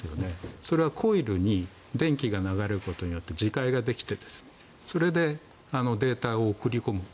それはコイルに電気が流れることによって磁界ができてそれでデータを送り込む。